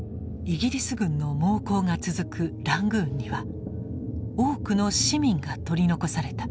イギリス軍の猛攻が続くラングーンには多くの市民が取り残された。